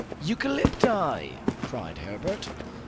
"Eucalypti!" cried Herbert.